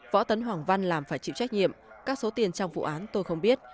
võ tấn hoàng văn làm phải chịu trách nhiệm các số tiền trong vụ án tôi không biết